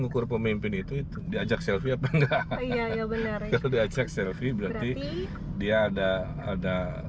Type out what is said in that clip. syukur pemimpin itu diajak selfie apa enggak ya bener bener cek selfie berarti dia ada ada